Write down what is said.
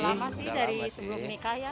udah lama sih dari sebelum menikah ya